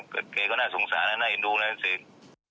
เค้าก็น่าสงสารนะน่าเห็นดูแล้วจริง